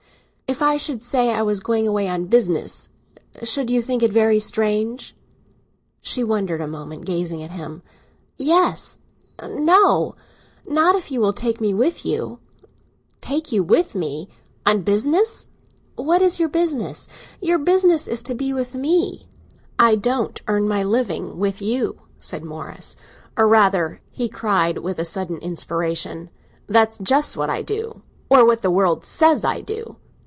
"If I should say I was going away on business, should you think it very strange?" She wondered a moment, gazing at him. "Yes—no. Not if you will take me with you." "Take you with me—on business?" "What is your business? Your business is to be with me." "I don't earn my living with you," said Morris. "Or rather," he cried with a sudden inspiration, "that's just what I do—or what the world says I do!"